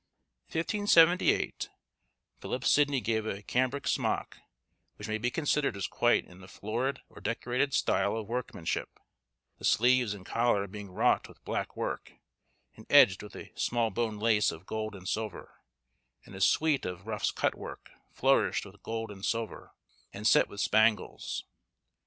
In 1578, Philip Sidney gave a cambric smock, which may be considered as quite in the florid or decorated style of workmanship; the sleeves and collar being wrought with black work, and edged with a small bone lace of gold and silver; and a suite of ruffs cutwork, flourished with gold and silver, and set with spangles.